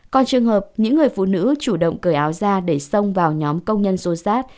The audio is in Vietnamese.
còn trường hợp những người phụ nữ chủ động cởi áo ra để xông vào nhóm công nhân xô xát